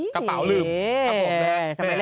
กระเป๋าลืมครับผม